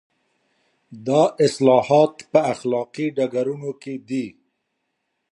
دا اصلاحات په اخلاقي ډګرونو کې دي.